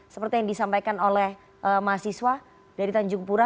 seperti yang disampaikan oleh mahasiswa dari tanjung pura